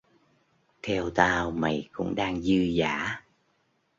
Theo tao mày cũng đang dư dả